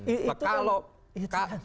iya itu kan